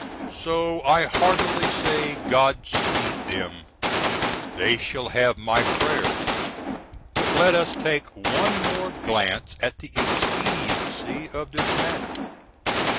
So I heartily say "God speed" them they shall have my prayers. But let us take one more glance at the expediency of this matter.